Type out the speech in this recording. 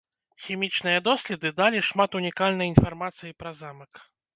Хімічныя доследы далі шмат унікальнай інфармацыі пра замак.